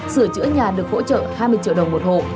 sửa chữa nhà được hỗ trợ hai mươi triệu đồng một hộ